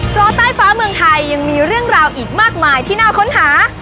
เพราะใต้ฟ้าเมืองไทยยังมีเรื่องราวอีกมากมายที่น่าค้นหา